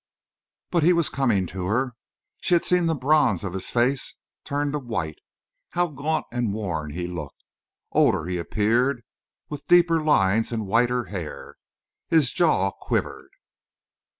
But he was coming to her. She had seen the bronze of his face turn to white. How gaunt and worn he looked. Older he appeared, with deeper lines and whiter hair. His jaw quivered.